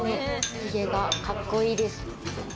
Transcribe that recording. ヒゲがカッコいいです。